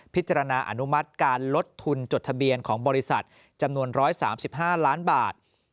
อนุมัติการลดทุนจดทะเบียนของบริษัทจำนวน๑๓๕ล้านบาท